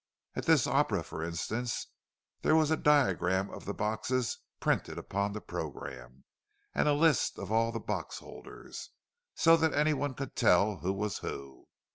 At this Opera, for instance, there was a diagram of the boxes printed upon the programme, and a list of all the box holders, so that anyone could tell who was who.